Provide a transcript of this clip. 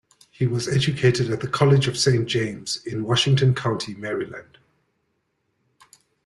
He was educated at the College of Saint James in Washington County, Maryland.